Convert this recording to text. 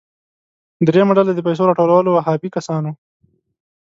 دریمه ډله د پیسو راټولولو وهابي کسان وو.